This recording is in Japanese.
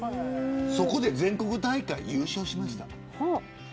そこで全国大会優勝しました。